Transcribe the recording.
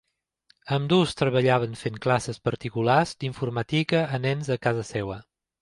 Ambdós treballaven fent classes particulars d'informàtica a nens a casa seva.